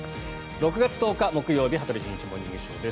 ６月１０日、木曜日「羽鳥慎一モーニングショー」。